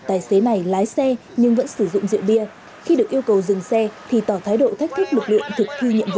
tài xế này lái xe nhưng vẫn sử dụng rượu bia khi được yêu cầu dừng xe thì tỏ thái độ thách thức lực lượng thực thi nhiệm vụ